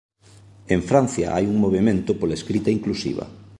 En Francia hai un movemento pola escrita inclusiva.